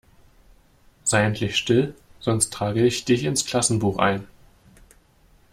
Sei endlich still, sonst trage ich dich ins Klassenbuch ein!